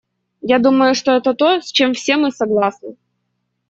Я думаю, что это то, с чем все мы согласны.